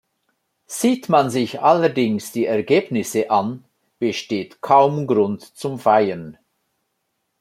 Sieht man sich allerdings die Ergebnisse an, besteht kaum Grund zum Feiern.